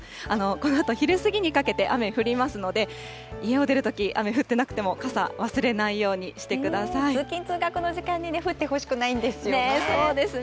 このあと、昼過ぎにかけて雨、降りますので、家を出るとき、雨降ってなくても、傘、忘れないよう通勤・通学の時間にね、降っそうですね。